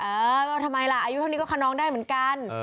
เออก็ทำไมล่ะอายุเท่านี้ก็คนนองได้เหมือนกัน